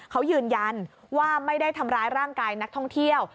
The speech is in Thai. เขายืนยันว่าไม่ได้ทำร้ายร่างกายนักท่องเที่ยว